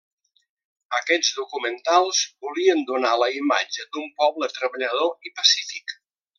Aquests documentals volien donar la imatge d'un poble treballador i pacífic.